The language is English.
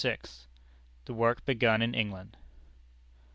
THE WORK BEGUN IN ENGLAND.